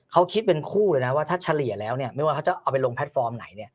เขาคิดเป็นคู่เลยนะว่าถ้าเฉลี่ยแล้วเนี่ยไม่ว่าเขาจะเอาไปลงแพลตฟอร์มไหน